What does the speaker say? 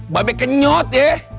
ba bey kenyot ya